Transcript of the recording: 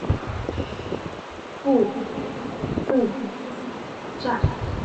布目站。